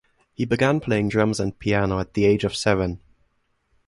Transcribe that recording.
He began playing drums and piano at the age of seven.